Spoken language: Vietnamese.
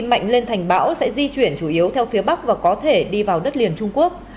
mạnh lên thành bão sẽ di chuyển chủ yếu theo phía bắc và có thể đi vào đất liền trung quốc